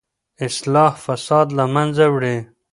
اصلاح فساد له منځه وړي.